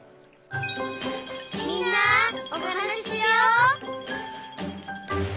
「みんなおはなししよう」